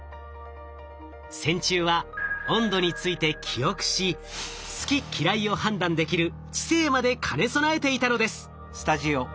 線虫は温度について記憶し「好き・嫌い」を判断できる知性まで兼ね備えていたのです。